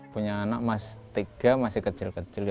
punya anak masih tiga masih kecil kecil